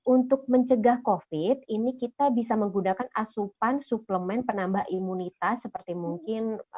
untuk mencegah covid ini kita bisa menggunakan asupan suplemen penambah imunitas seperti mungkin